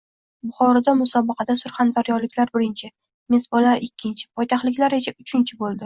Buxorodagi musobaqada surxondaryoliklar birinchi, mezbonlar ikkinchi, poytaxtliklar esa uchinchi bo‘ldi